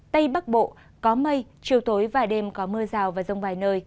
tây bắc bộ có mây chiều tối và đêm có mưa rào và rông vài nơi